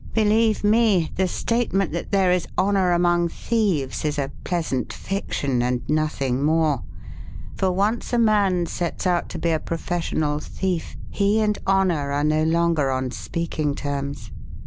Believe me, the statement that there is honour among thieves is a pleasant fiction and nothing more; for once a man sets out to be a professional thief, he and honour are no longer on speaking terms.